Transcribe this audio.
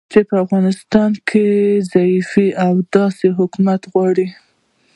چې په افغانستان کې ضعیفه او داسې حکومت غواړي